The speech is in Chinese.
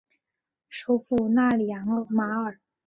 首府纳里扬马尔。